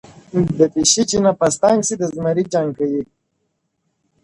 o د پيشي چي نفس تنگ سي، د زمري جنگ کوي!